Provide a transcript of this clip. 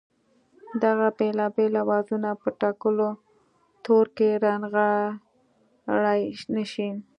دغه بېلابېل آوازونه په ټاکلو تورو کې رانغاړلای نه شي